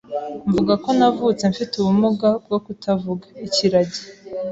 mvuga ko navutse mfite ubumuga bwo kutavuga( ikiragi)